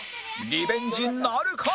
リベンジなるか？